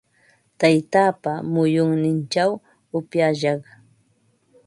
Taytaapa muyunninchaw upyashaq.